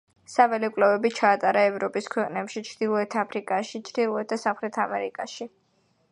საველე კვლევები ჩაატარა ევროპის ქვეყნებში, ჩრდილოეთ აფრიკაში, ჩრდილოეთ და სამხრეთ ამერიკაში.